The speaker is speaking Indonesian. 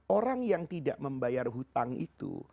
orang yang tidak membayar hutang itu